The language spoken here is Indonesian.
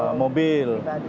itu adalah mobil